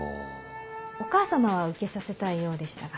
お母様は受けさせたいようでしたが。